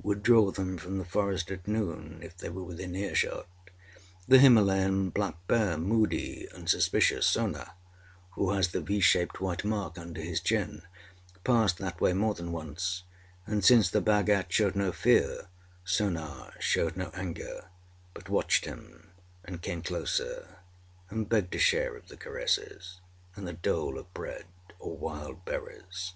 â would draw them from the forest at noon if they were within ear shot. The Himalayan black bear, moody and suspicious Sona, who has the V shaped white mark under his chin passed that way more than once; and since the Bhagat showed no fear, Sona showed no anger, but watched him, and came closer, and begged a share of the caresses, and a dole of bread or wild berries.